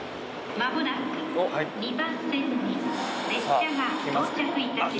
まもなく２番線に列車が到着いたします。